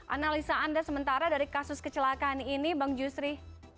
analisa anda sementara dari kasus kecelakaan ini bang justri